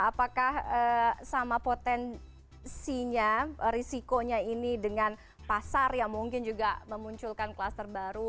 apakah sama potensinya risikonya ini dengan pasar yang mungkin juga memunculkan kluster baru